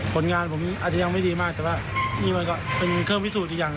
ผลงานผมอาจจะยังไม่ดีมากแต่ว่านี่มันก็เป็นเครื่องพิสูจน์อีกอย่าง